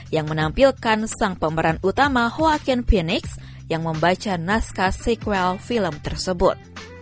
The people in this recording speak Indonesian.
yang menampilkan sang pemeran utama hoaxen phoenix yang membaca naskah sequel film tersebut